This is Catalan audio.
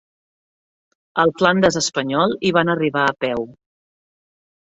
Al Flandes espanyol hi van arribar a peu.